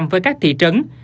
với các thị trấn